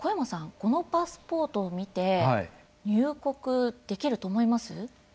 このパスポートを見て入国できると思います？